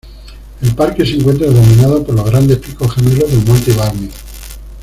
El parque se encuentra dominado por los grandes picos gemelos del Monte Barney.